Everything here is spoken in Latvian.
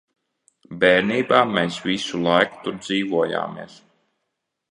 Bērnībā mēs visu laiku tur dzīvojāmies.